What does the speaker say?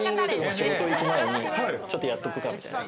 仕事行く前にちょっとやっとくか、みたいな。